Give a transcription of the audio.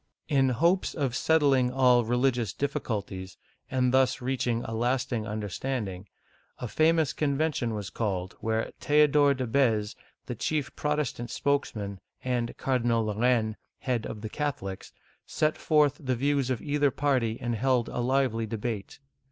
In hopes of settling all the religious difficulties, and thus reaching a lasting understanding, a famous conven tion was finally called, where Theodore de B^ze (bez), the chief Protestant spokesman, and Cardinal de Lor raine, head of the Catholics, set forth the views of either party and held a lively debate.